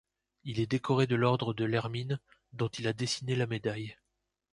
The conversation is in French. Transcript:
Il est décoré de l'ordre de l'Hermine, dont il a dessiné la médaille.